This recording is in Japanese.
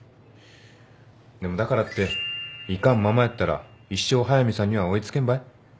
でもだからって行かんままやったら一生速見さんには追い付けんばい。